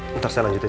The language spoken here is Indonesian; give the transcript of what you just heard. bentar saya lanjutin